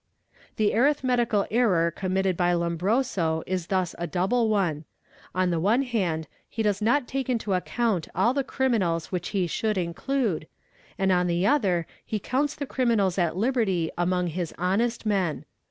: The arithmetical error committed by Lombroso is 'rai a double ont ! on the one hand he does not take into account all the criminals which he should include, and on the other he counts the criminals at liberty among his honest men.